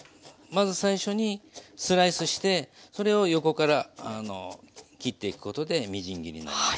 まず最初にスライスしてそれを横から切っていくことでみじん切りになります。